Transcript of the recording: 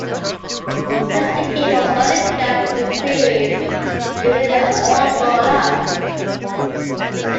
This became of running gag in the series even in All grown up.